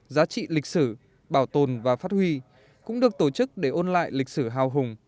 giá trị lịch sử bảo tồn và phát huy cũng được tổ chức để ôn lại lịch sử hào hùng